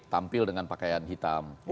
tampil dengan pakaian hitam